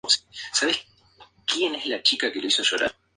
Su estudio crece sin parar.